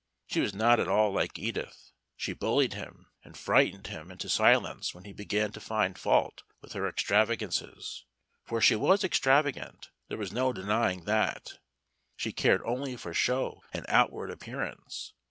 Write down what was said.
She was not at all like Edith. She bullied him, and frightened him into silence when he began to find fault with her extravagances. For she was extravagant there was no denying that. She cared only for show and outward appearance.